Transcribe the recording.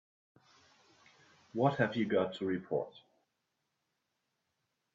What have you got to report?